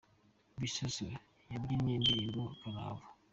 Bisoso yabyinnye indirimbo karahava